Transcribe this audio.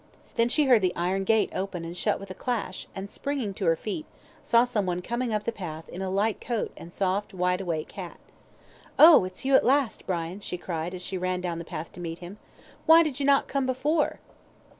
Then she heard the iron gate open and shut with a clash, and springing to her feet, saw someone coming up the path in a light coat and soft wide awake hat. "Oh, it's you at last, Brian?" she cried, as she ran down the path to meet him. "Why did you not come before?"